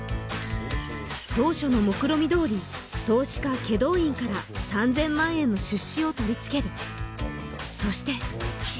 当初のもくろみどおり投資家祁答院から３０００万円の出資を取り付けるそして